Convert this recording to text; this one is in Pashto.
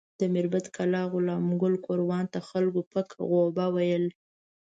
د میربت کلا غلام ګل ګوروان ته خلکو پک غوبه ویل.